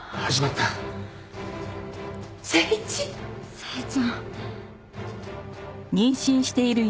誠ちゃん。